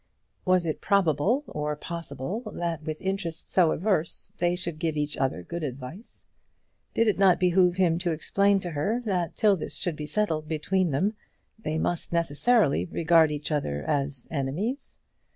Was it probable, or possible, that with interests so adverse, they should give each other good advice? Did it not behove him to explain to her that till this should be settled between them, they must necessarily regard each other as enemies?